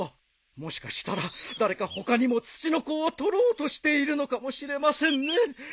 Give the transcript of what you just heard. もしかしたら誰か他にもツチノコを捕ろうとしているのかもしれませんね。